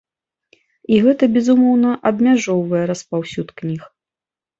І гэта, безумоўна, абмяжоўвае распаўсюд кніг.